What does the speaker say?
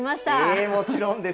ええ、もちろんです。